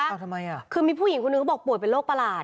เอาทำไมอ่ะคือมีผู้หญิงคนหนึ่งเขาบอกป่วยเป็นโรคประหลาด